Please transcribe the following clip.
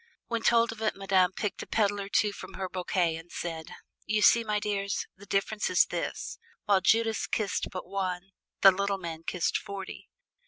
When told of it Madame picked a petal or two from her bouquet and said, "You see, my dears, the difference is this: while Judas kissed but one, the Little Man kissed forty."